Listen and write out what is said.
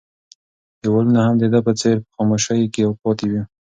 دیوالونه هم د ده په څېر په خاموشۍ کې پاتې وو.